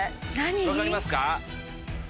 分かりますか？